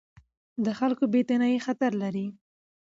د خلکو بې اعتنايي خطر لري